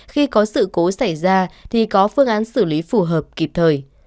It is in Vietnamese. khi có sự cố xảy ra thì có phương án xử lý phù hợp kịp thời